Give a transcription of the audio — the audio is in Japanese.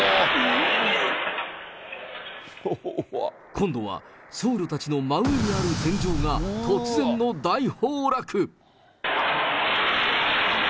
今度は僧侶たちの真上にある天井が、突然の大崩落。